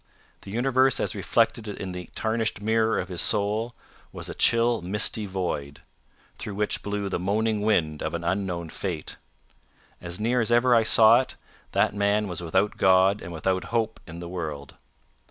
The universe as reflected in the tarnished mirror of his soul, was a chill misty void, through which blew the moaning wind of an unknown fate. As near as ever I saw it, that man was without God and without hope in the world.